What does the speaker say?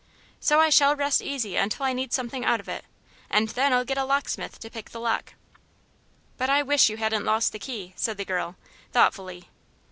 So I shall rest easy until I need something out of it, and then I'll get a locksmith to pick the lock." "But I wish you hadn't lost the key," said the girl, thoughtfully.